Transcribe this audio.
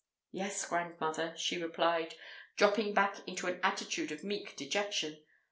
"Yes, grandmother," she replied, dropping back into an attitude of meek dejection.